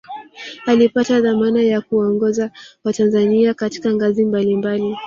alipata dhamana ya kuwaongoza watanzania katika ngazi mbali mbali